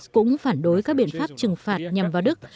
cũng phản đối các biện pháp trừng phạt nhằm vào đức